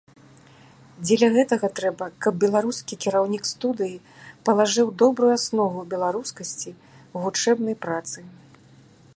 Дзеля гэтага трэба, каб беларускі кіраўнік студыі палажыў добрую аснову беларускасці ў вучэбнай працы.